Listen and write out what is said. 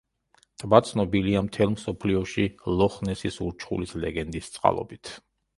ტბა ცნობილია მთელ მსოფლიოში ლოხ-ნესის ურჩხულის ლეგენდის წყალობით.